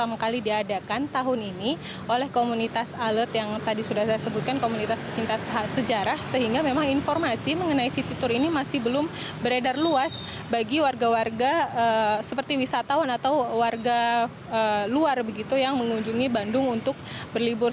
pertama kali diadakan tahun ini oleh komunitas alat yang tadi sudah saya sebutkan komunitas pecinta sejarah sehingga memang informasi mengenai city tour ini masih belum beredar luas bagi warga warga seperti wisatawan atau warga luar begitu yang mengunjungi bandung untuk berlibur